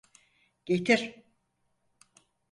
Getir!